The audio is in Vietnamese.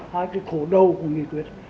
hai cái khổ đầu của nghị quyết